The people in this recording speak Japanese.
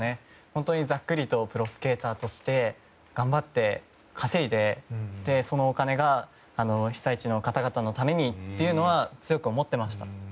本当にざっくりとプロスケーターとして頑張って稼いでそのお金が被災地の方々のためにというのは強く思っていました。